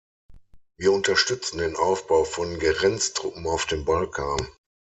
Wir unterstützen den Aufbau von Grenztruppen auf dem Balkan.